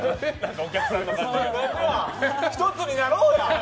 １つになろうや！